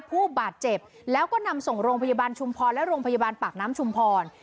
ผู้บาดเจ็บแล้วก็นำส่งโรงพยาบาลชุมพรและโรงพยาบาลปากน้ำชุมพร